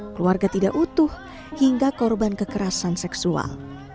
keluarga tidak utuh hingga korban kekerasan seksual